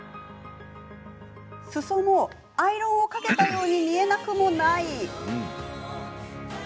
すそも、アイロンをかけたように見えなくもない。